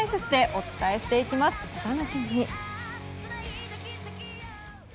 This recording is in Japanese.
お楽しみに。